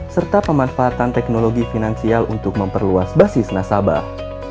serta pemanfaatan teknologi finansial untuk memperluas basis nasabah